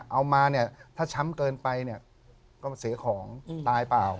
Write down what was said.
เอามาเนี่ยถ้าช้ำเกินไปเนี่ยก็มาเสียของตายเปล่า